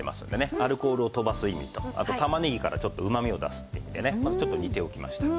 アルコールを飛ばす意味とあとタマネギからちょっとうまみを出すって意味でねちょっと煮ておきました。